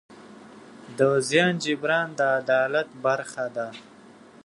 د زیان جبران د عدالت برخه ده.